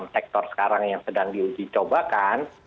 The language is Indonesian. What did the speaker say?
enam sektor sekarang yang sedang dicobakan